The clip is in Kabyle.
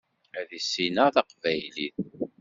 Ad issineɣ tabqylit.